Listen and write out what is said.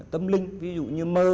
tâm linh ví dụ như mơ